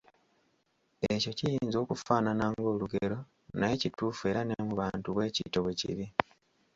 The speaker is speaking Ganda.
Ekyo kiyinza okufaanana ng’olugero, naye kituufu era ne mu bantu bwe kityo bwe kiri.